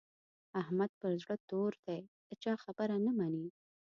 احمد پر زړه تور دی؛ د چا خبره نه مني.